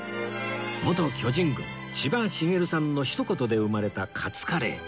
元巨人軍千葉茂さんのひと言で生まれたカツカレー